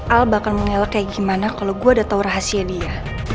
al bakal mengelak kayak gimana kalau gue udah tau rahasia dia